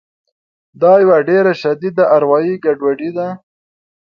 دا یوه ډېره شدیده اروایي ګډوډي ده